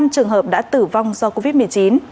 năm trường hợp đã tử vong do covid một mươi chín